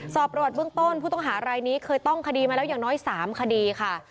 สอบประวัติเบื้องต้นผู้ต้องหารายนี้เคยต้องคดีมาแล้วอย่างน้อย๓คดีค่ะ